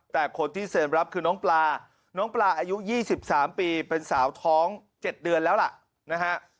แต่คนที่เซ็นรับคือน้องปลาน้องปลาอายุ๒๓ปีเป็นสาวท้อง๗เดือนแล้วล่ะนะฮะ